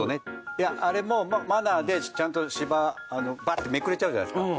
いやあれもマナーでちゃんと芝バッてめくれちゃうじゃないですか。